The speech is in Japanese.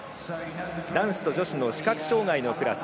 男子と女子の視覚障がいのクラス。